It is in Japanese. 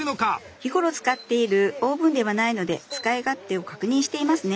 日頃使っているオーブンではないので使い勝手を確認していますね。